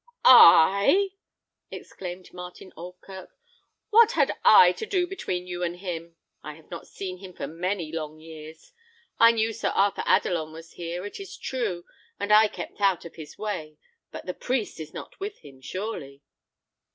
I?" exclaimed Martin Oldkirk. "What had I to do between you and him? I have not seen him for many long years. I knew Sir Arthur Adelon was here, it is true, and I kept out of his way; but the priest is not with him surely."